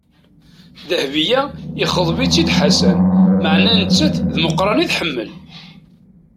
Dehbiya ixḍeb-itt Ḥasan, maɛna nettat d Meqran i tḥemmel.